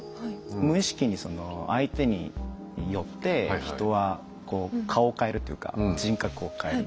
無意識にその相手によって人は顔を変えるっていうか人格を変えるみたいな。